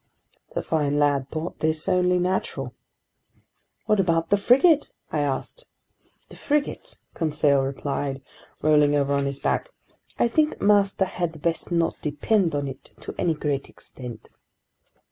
The fine lad thought this only natural! "What about the frigate?" I asked. "The frigate?" Conseil replied, rolling over on his back. "I think master had best not depend on it to any great extent!"